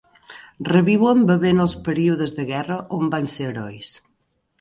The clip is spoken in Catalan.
Reviuen bevent els períodes de la guerra on van ser herois.